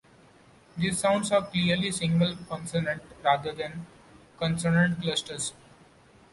These sounds are clearly single consonants rather than consonant clusters.